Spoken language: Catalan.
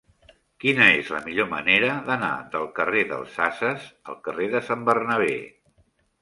Quina és la millor manera d'anar del carrer dels Ases al carrer de Sant Bernabé?